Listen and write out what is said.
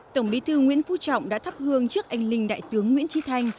tổng bí thư nguyễn phú trọng đã thắp hương trước anh linh đại tướng nguyễn trí thanh